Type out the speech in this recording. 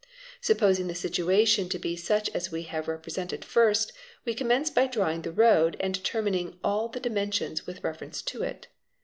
Supposing the situation to be such as we have represen ted first, we commence by drawing the road and determining all the dimensions with reference to it.